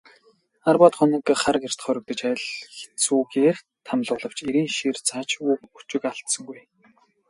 Арваад хоног хар гэрт хоригдож, аль хэцүүгээр тамлуулавч эрийн шийр зааж үг өчиг алдсангүй.